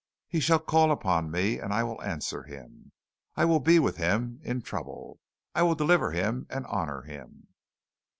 "He shall call upon me, and I will answer him: I will be with him in trouble. I will deliver him and honor him.